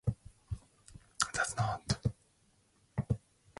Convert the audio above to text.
That's not a pleasant business.